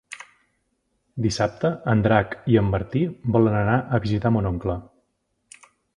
Dissabte en Drac i en Martí volen anar a visitar mon oncle.